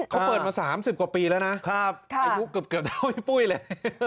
เขาเปิดมา๓๐กว่าปีแล้วนะอายุเกือบเท่าพี่ปุ้ยเลย